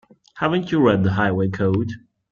Haven't you read the Highway Code?